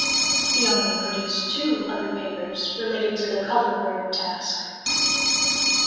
He only produced two other papers related to the color-word task.